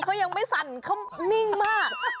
เขายังไม่สั่นเขานิ่งมาก